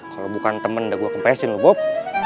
kalo bukan temen dah gue kompesin lu bop